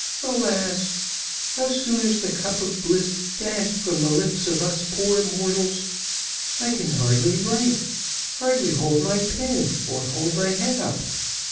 Alas! how soon is the cup of bliss dashed from the lips of us poor mortals. I can hardly write, hardly hold my pen, or hold my head up.